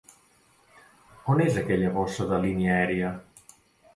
On és aquella bossa de línia aèria?